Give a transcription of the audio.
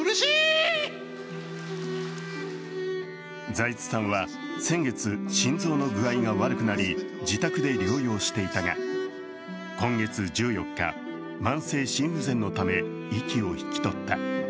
財津さんは先月、心臓の具合が悪くなり自宅で療養していたが今月１４日、慢性心不全のため息を引き取った。